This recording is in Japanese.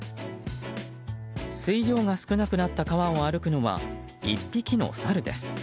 水量が少なくなった川を歩くのは１匹のサルです。